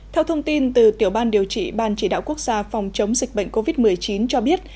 theo thông tin từ tiểu ban điều trị ban chỉ đạo quốc gia phòng chống dịch bệnh covid một mươi chín cho biết